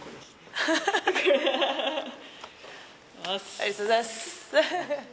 ありがとうございます。